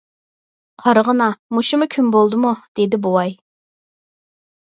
— قارىغىنا، مۇشۇمۇ كۈن بولدىمۇ؟ — دېدى بوۋاي.